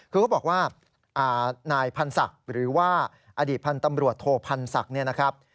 คือเขาบอกว่านายพันธ์ศักดิ์หรือว่าอดีตพันธ์ตำรวจโทพันธ์ศักดิ์เนี่ยนะครับ